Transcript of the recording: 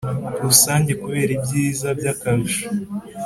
Rusange kubera ibyiza by akarusho